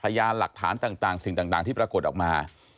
พยานหลักฐานต่างสิ่งต่างที่ปรากฏออกมา